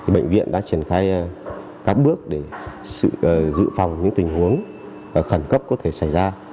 bệnh viện đã triển khai các bước để dự phòng những tình huống khẩn cấp có thể xảy ra